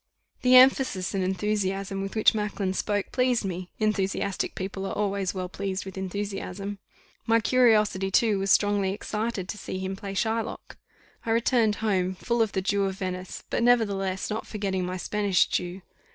The emphasis and enthusiasm with which Macklin spoke, pleased me enthusiastic people are always well pleased with enthusiasm. My curiosity too was strongly excited to see him play Shylock. I returned home full of the Jew of Venice; but, nevertheless, not forgetting my Spanish Jew.